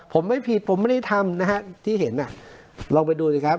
ผมไม่ผิดผมไม่ได้ทำนะฮะที่เห็นอ่ะลองไปดูสิครับ